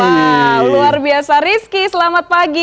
wah luar biasa rizky selamat pagi